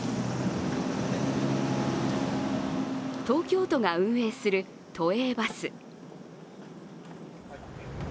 東京都が運営する都営バス。